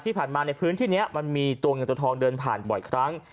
ที่ผ่านมาในพื้นที่นี้มันมีตัวเงินตัวทองเดินผ่านบ่อยครั้ง